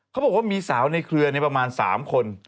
เขาบอกว่ามีสาวในเครือในประมาณ๓คน